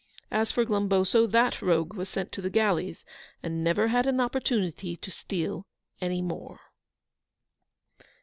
As for Glumboso, that rogue was sent to the galleys, and never had an opportunity to steal any more.